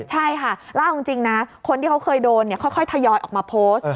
ใช่ค่ะแล้วเอาจริงนะคนที่เขาเคยโดนค่อยทยอยออกมาโพสต์